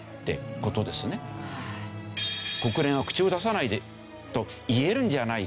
国連は口を出さないでと言えるんじゃないか。